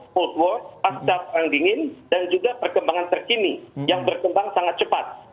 cold war pasca perang dingin dan juga perkembangan terkini yang berkembang sangat cepat